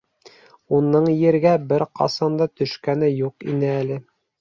Уның Ергә бер ҡасан да төшкәне юҡ ине әле.